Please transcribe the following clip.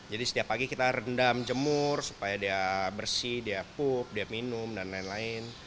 jadi setiap pagi kita rendam jemur supaya dia bersih dia pup dia minum dan lain lain